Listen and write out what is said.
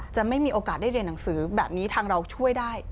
จะไม่มีโอกาสได้เรียนหนังสือแบบนี้ทางเราช่วยได้